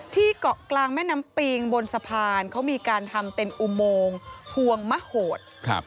เกาะกลางแม่น้ำปิงบนสะพานเขามีการทำเป็นอุโมงพวงมะโหด